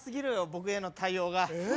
僕への対応が。え？